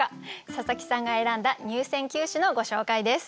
佐佐木さんが選んだ入選九首のご紹介です。